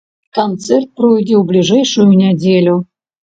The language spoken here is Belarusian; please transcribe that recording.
Канцэрт пройдзе ў бліжэйшую нядзелю.